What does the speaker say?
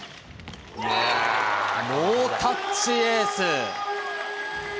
ノータッチエース。